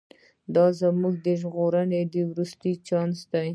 دا زموږ د ژغورنې وروستی چانس دی.